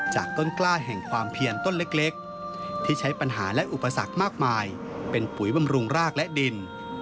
ต้นกล้าแห่งความเพียรต้นเล็กที่ใช้ปัญหาและอุปสรรคมากมายเป็นปุ๋ยบำรุงรากและดิน